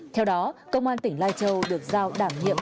theo đó công an tỉnh lai châu được giao đảm nhiệm